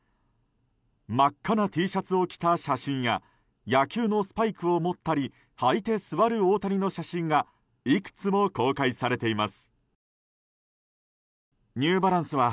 真っ赤なＴシャツを着た写真や野球のスパイクを持ったり履いて座る大谷の写真がいくつも公開されています。